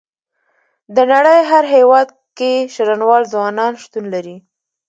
د نړۍ هر هيواد کې شرنوال ځوانان شتون لري.